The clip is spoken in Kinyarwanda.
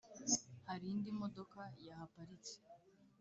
harindi modoka yahaparitse